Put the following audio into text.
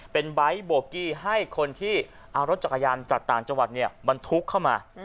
เป็นบ๊ายต์โบกี้ให้คนที่เอารถจักรยานจากต่างจังหวัดเนี่ยบันทุกข้อมา